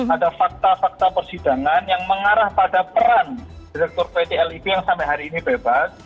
ada fakta fakta persidangan yang mengarah pada peran direktur pt lib yang sampai hari ini bebas